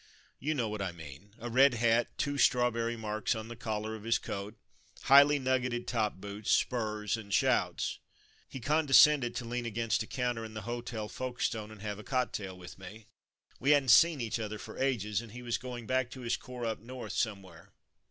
You know what I mean; a red hat, two strawberry marks on the collar of his coat, highly nuggeted top boots, spurs, and shouts. He condescended to lean against a counter in the Hotel Folkestone and have a cocktail with me. We hadn't seen each other for ages, and he was going back to his corps up north, somewhere.